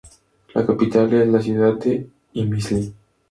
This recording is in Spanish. La capital es la ciudad de İmişli.